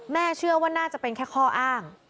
เชื่อว่าน่าจะเป็นแค่ข้ออ้าง